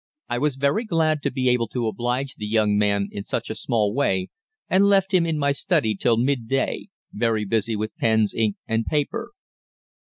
"I was very glad to be able to oblige the young man in such a small way, and left him in my study till midday, very busy with pens, ink, and paper.